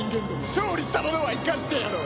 勝利した者は生かしてやろう。